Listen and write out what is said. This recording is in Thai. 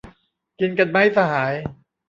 กินกันมั้ยสหาย